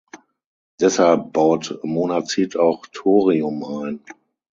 Deshalb baut Monazit auch Torium ein.